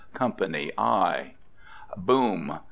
COMPANY I. BOOM!